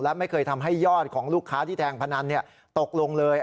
และไม่เคยทำให้ยอดของลูกค้าที่แทงพนันตกลงเลย